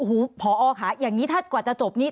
โอ้โหพอค่ะอย่างนี้ถ้ากว่าจะจบนี้